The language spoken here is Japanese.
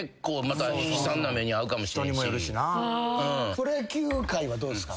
プロ野球界はどうですか？